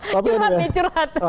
curhat ya curhat